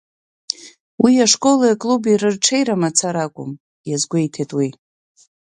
Уи ашколи аклуби рырҽеира мацара акәым, иазгәеиҭеит уи.